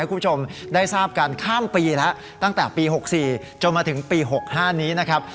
คุณผู้ชมได้ทราบกันข้ามปีแล้วตั้งแต่ปี๖๔จนมาถึงปี๖๕นี้นะครับ